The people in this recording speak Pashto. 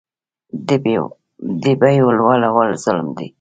د بیو لوړول ظلم دی